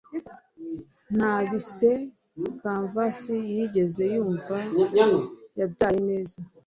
Nta bise canvas yigeze yumva yabyaye neza